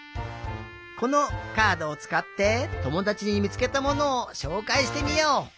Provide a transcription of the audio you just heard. このカードをつかってともだちにみつけたものをしょうかいしてみよう！